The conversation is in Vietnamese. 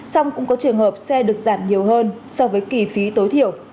xong cũng có trường hợp xe được giảm nhiều hơn so với kỳ phí tối thiểu